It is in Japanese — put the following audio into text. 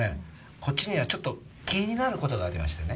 こっちにはちょっと気になる事がありましてね。